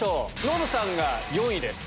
ノブさんが４位です。